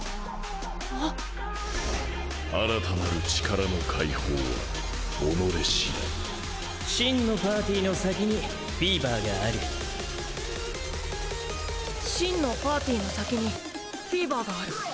あっ新たなる力の解放はおのれ次第真のパーティの先にフィーバーがある「真のパーティの先にフィーバーがある」